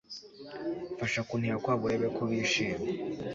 Fasha kuniha kwabo urebe ko bishima